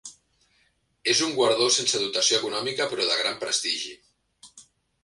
És un guardó sense dotació econòmica però de gran prestigi.